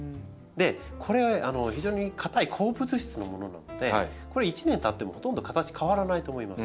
これ非常に硬い鉱物質のものなのでこれ１年たってもほとんど形変わらないと思います。